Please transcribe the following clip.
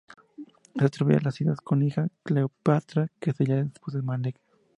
Se atribuye a Idas una hija: Cleopatra, que sería esposa de Meleagro.